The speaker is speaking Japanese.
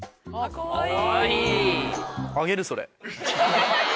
かわいい。